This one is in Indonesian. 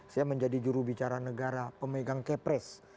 saya menjadi jurubicara negara pemegang kepres